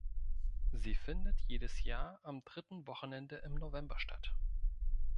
Sie findet jedes Jahr am dritten Wochenende im November statt.